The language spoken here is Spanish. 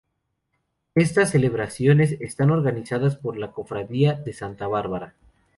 Estas celebraciones están organizadas por la Cofradía de Santa Bárbara.